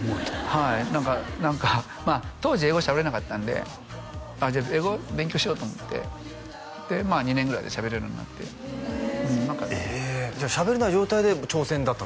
はい何か当時英語しゃべれなかったんでじゃあ英語を勉強しようと思ってで２年ぐらいでしゃべれるようになってええじゃあしゃべれない状態で挑戦だった？